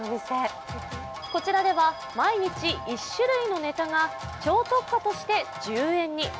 こちらでは毎日、１種類のネタが超特価として１０円に。